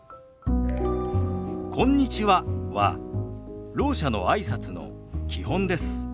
「こんにちは」はろう者のあいさつの基本です。